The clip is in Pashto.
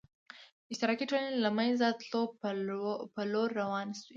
اشتراکي ټولنې د له منځه تلو په لور روانې شوې.